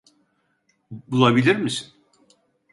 Bulabilir misin?